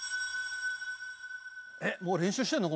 「えっもう練習してるの？